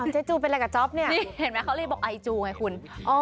เจ๊จูเป็นอะไรกับจ๊อปเนี่ยนี่เห็นไหมเขารีบบอกไอจูไงคุณ